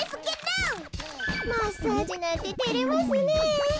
マッサージなんててれますねえ。